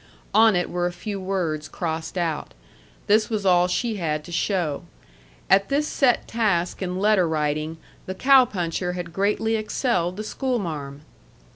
On it were a few words crossed out. This was all she had to show. At this set task in letter writing, the cow puncher had greatly excelled the schoolmarm!